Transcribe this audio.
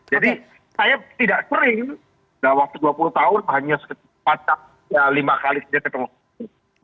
jadi saya tidak sering dalam waktu dua puluh tahun hanya sekejap empat lima kali saja ketemu